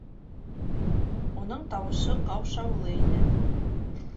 — Уның тауышы ҡаушаулы ине.